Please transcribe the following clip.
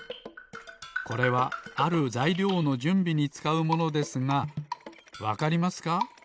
これはあるざいりょうのじゅんびにつかうものですがわかりますか？